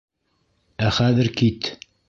Ә хәҙер кит!